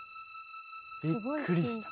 びっくりした。